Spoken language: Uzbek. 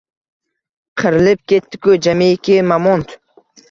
Qirilib ketdi-ku jamiki mamont.